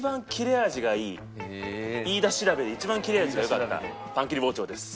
飯田調べで一番切れ味が良かったパン切り包丁です。